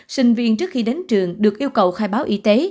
sinh viên trước khi đến trường được yêu cầu khai báo y tế